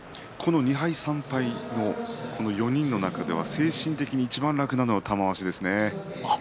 ２敗３敗に４人いますけれども精神的にいちばん楽なのは玉鷲ですね。